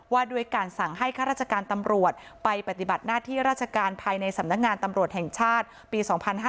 ว่าด้วยการสั่งให้ข้าราชการตำรวจไปปฏิบัติหน้าที่ราชการภายในสำนักงานตำรวจแห่งชาติปี๒๕๕๙